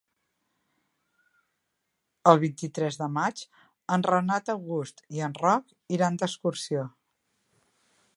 El vint-i-tres de maig en Renat August i en Roc iran d'excursió.